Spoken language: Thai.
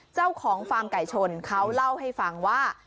เจ้าของฟาร์มไก่ชนเขาเล่าให้ฟังว่า